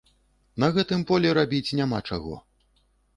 На гэтым полі рабіць няма чаго.